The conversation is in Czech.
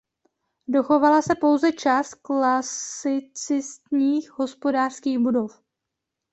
Dochovala se pouze část klasicistních hospodářských budov.